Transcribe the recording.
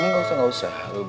gak usah gak usah